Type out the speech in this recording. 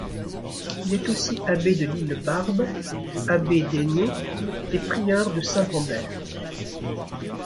Il est aussi abbé de l'Île Barbe, abbé d'Ainay et prieur de Saint-Rambert.